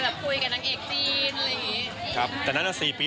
เคยแบบคุยกับนางเอกจีนอะไรอย่างงี้